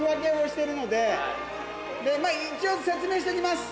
一応説明しときます